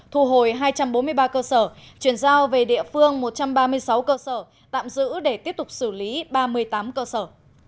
thu hồi hai trăm bốn mươi ba cơ sở chuyển giao về địa phương một trăm ba mươi sáu cơ sở tạm giữ để tiếp tục xử lý ba mươi tám cơ sở